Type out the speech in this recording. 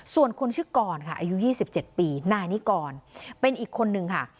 ส่วนคนชื่อกรค่ะอายุ๒๗ปีนายนิกรเป็นอีกคนนึงค่ะ